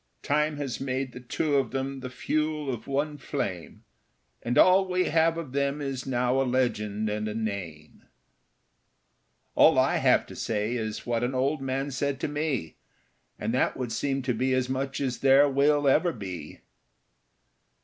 Time has made the two of them the fuel of one flame And all we have of them is now a legend and a name. All I have to say is what an old man said to me, And that would seem to be as much as there will ever be.